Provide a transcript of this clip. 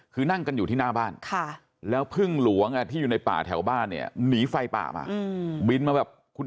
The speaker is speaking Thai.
คือนั่งอยู่ข้างหน้าจากบ้าน